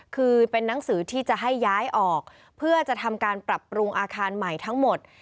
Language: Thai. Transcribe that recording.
คือเป็นนังสือที่จะให้ย้ายออกเพื่อจะทำการปรับปรุงอาคารใหม่ทั้งหมด